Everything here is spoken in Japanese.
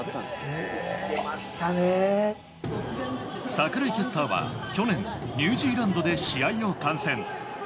櫻井キャスターは去年ニュージーランドで試合を観戦。